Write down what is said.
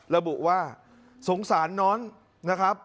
ระบุว่าสงสารน้องนะครับ